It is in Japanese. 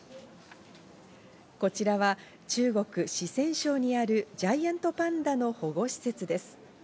こちらは中国・四川省にあるジャイアントパンダの保護施設です。